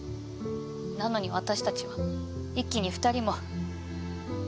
なのに私たちは一気に２人も。